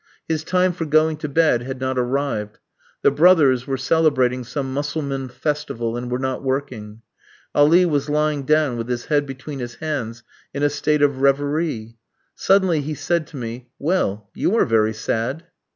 His time for going to bed had not arrived. The brothers were celebrating some Mussulman festival, and were not working. Ali was lying down with his head between his hands in a state of reverie. Suddenly he said to me: "Well, you are very sad!"